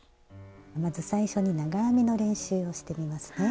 まず最初に長編みの練習をしてみますね。